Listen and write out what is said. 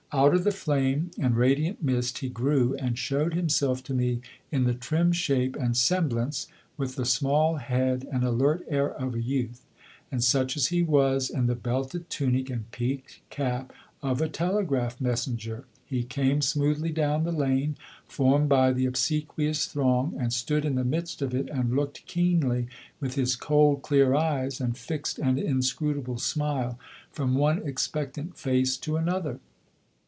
Out of the flame and radiant mist he grew, and showed himself to me in the trim shape and semblance, with the small head and alert air of a youth; and such as he was, in the belted tunic and peaked cap of a telegraph messenger, he came smoothly down the lane formed by the obsequious throng, and stood in the midst of it and looked keenly, with his cold, clear eyes and fixed and inscrutable smile, from one expectant face to another.